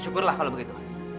syukurlah kalau begitu